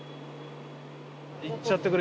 行っちゃってくれ。